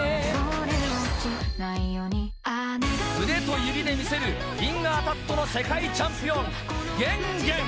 腕と指で見せるフィンガータットの世界チャンピオン。